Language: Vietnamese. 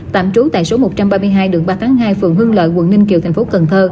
tạm trú tại số một trăm ba mươi hai đường ba tháng hai phường hưng lợi quận ninh kiều tp cn